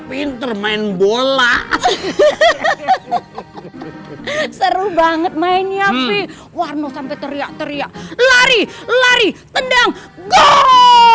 pinter main bola seru banget mainnya warno sampai teriak teriak lari lari tendang gol